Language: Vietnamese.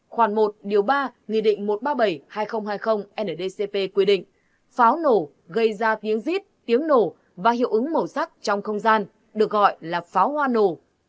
khoảng một điều ba nghị định một trăm ba mươi bảy hai nghìn hai mươi ndcp quy định pháo nổ gây ra tiếng rít tiếng nổ và hiệu ứng màu sắc trong không gian được gọi là pháo hoa nổ